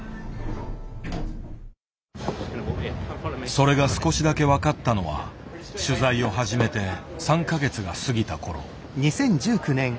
それが少しだけ分かったのは取材を始めて３か月が過ぎた頃。